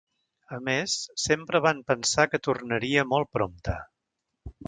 A més, sempre van pensar que tornaria molt prompte.